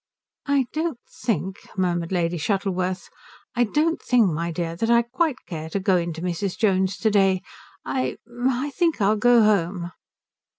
"I don't think," murmured Lady Shuttleworth, "I don't think, my dear, that I quite care to go in to Mrs. Jones to day. I I think I'll go home."